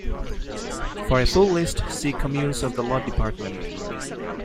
For a full list, see Communes of the Lot department.